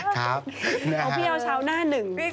ก็พี่เอาเช้าหน้าหนึ่ง